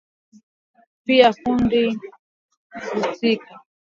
Pia kundi liliahidi ushirika na Jamii ya kiislamu mwaka elfu mbili na kumi na tisa